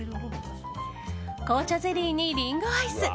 紅茶ゼリーにリンゴアイス。